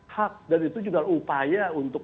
hak dan itu juga upaya untuk